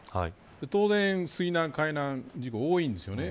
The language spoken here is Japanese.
当然、水難、海難事故が多いんですよね。